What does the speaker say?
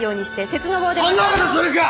そんなことするか！